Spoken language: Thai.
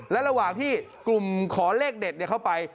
และระหว่างที่กลุ่มขอเลขเด็ดเข้าไป